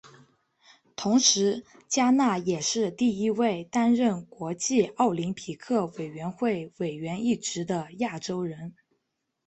同时嘉纳也是第一位担任国际奥林匹克委员会委员一职的亚洲人。